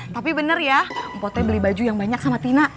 tapi bener ya potnya beli baju yang banyak sama tina